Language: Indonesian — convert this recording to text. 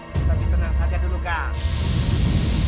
kita di tenang saja dulu kak